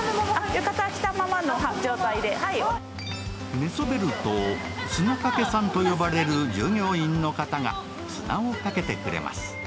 寝そべると砂かけさんと呼ばれる従業員の方が砂をかけてくれます。